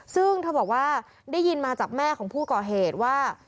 ซึ่งเธอบอกว่าได้ยินมาจากแม่ของผู้ก่อเหตุว่า